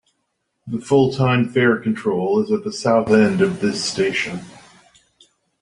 The full-time fare control is at the south end of this station.